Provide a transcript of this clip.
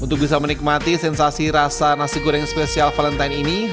untuk bisa menikmati sensasi rasa nasi goreng spesial valentine ini